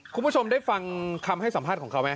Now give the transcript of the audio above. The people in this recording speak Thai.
คุณผู้ชมได้ฟังคำให้สัมภาษณ์ของเขาไหม